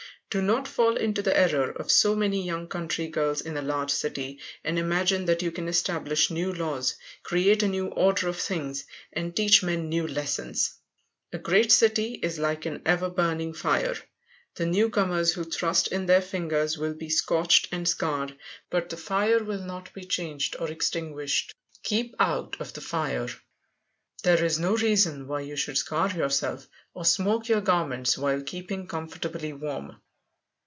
Do not fall into the error of so many young country girls in a large city, and imagine you can establish new laws, create a new order of things, and teach men new lessons. A great city is like an ever burning fire, the newcomers who thrust in their fingers will be scorched and scarred, but the fire will not be changed or extinguished. Keep out of the fire. There is no reason why you should scar yourself or smoke your garments while keeping comfortably warm.